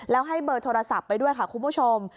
แล้วให้เบอร์โทรศัพท์ไปด้วยค่ะคุณผู้ชม